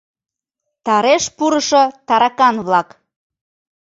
Тареш пурышо таракан-влак!